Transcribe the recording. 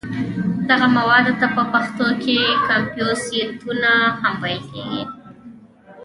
دغه موادو ته په پښتو کې کمپوزیتونه هم ویل کېږي.